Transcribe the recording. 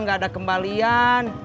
gak ada kembalian